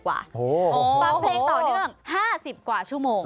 บางเพลงต่อเนื่อง๕๐กว่าชั่วโมง